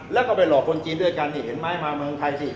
แล้วก็ไปหลอกคนจีนด้วยกันนี่เห็นไหมมาเมืองไทยสิ